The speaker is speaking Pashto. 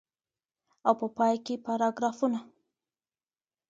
او په پای کي پاراګرافونه.